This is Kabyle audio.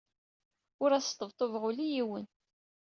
Ur as-sṭebṭubeɣ ula i yiwen.